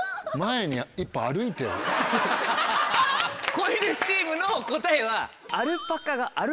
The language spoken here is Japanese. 『恋です！』チームの答えは。